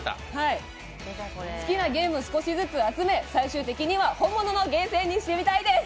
好きなゲーム少しずつ集め最終的には本物のゲーセンにしてみたいです。